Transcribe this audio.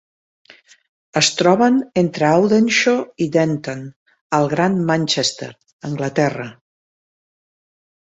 Es troben entre Audenshaw i Denton, al Gran Manchester, Anglaterra.